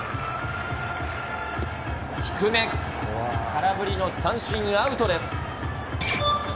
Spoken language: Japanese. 低め、空振りの三振、アウトです。